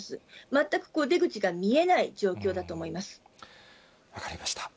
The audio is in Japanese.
全く出口が見えない状況だと思います。